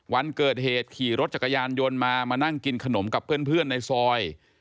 วันเกิดเหตุขี่รถจักรยานยนต์มามานั่งกินขนมกับเพื่อนในซอย